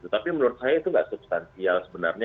tapi menurut saya itu nggak substansial sebenarnya